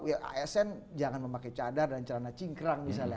ya asn jangan memakai cadar dan celana cingkrang misalnya